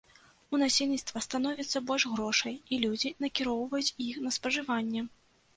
У насельніцтва становіцца больш грошай, і людзі накіроўваюць іх на спажыванне.